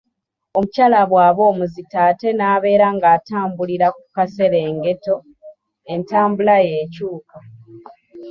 Omukyala bw’aba omuzito ate n’abeera ng’atambulira ku kaserengeto, entambula ye ekyuka.